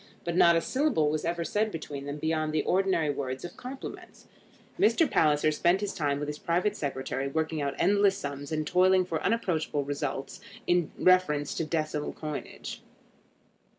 But not a syllable was ever said between them beyond the ordinary words of compliments. Mr. Palliser spent his time with his private secretary, working out endless sums and toiling for unapproachable results in reference to decimal coinage.